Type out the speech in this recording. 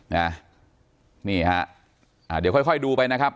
เดี๋ยวค่อยดูไปนะครับ